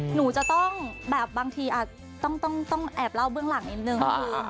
หนูจะบางทีต้องดูเรื่องหลังนิดนึง